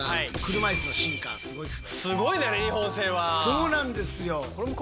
そうなんですよ！